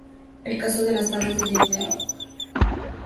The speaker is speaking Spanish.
El caso de las Tablas de Daimiel"".